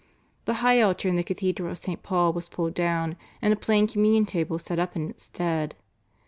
The high altar in the Cathedral of St. Paul was pulled down, and a plain Communion table set up in its stead.